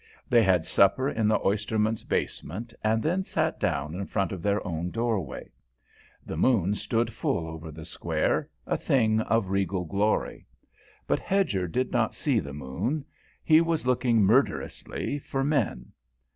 They had supper in the oysterman's basement and then sat down in front of their own doorway. The moon stood full over the Square, a thing of regal glory; but Hedger did not see the moon; he was looking, murderously, for men.